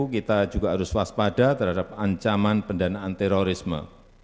kita juga harus waspada terhadap ancaman pendanaan terorisme